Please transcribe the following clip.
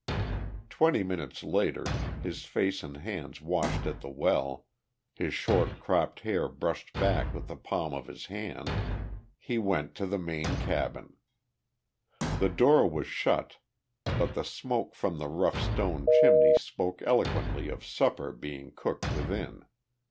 Twenty minutes later, his face and hands washed at the well, his short cropped hair brushed back with the palm of his hand, he went to the main cabin. The door was shut but the smoke from the rough stone chimney spoke eloquently of supper being cooked within.